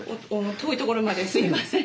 遠いところまですみません。